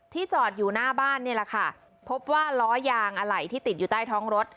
จอดอยู่หน้าบ้านนี่แหละค่ะพบว่าล้อยางอะไหล่ที่ติดอยู่ใต้ท้องรถ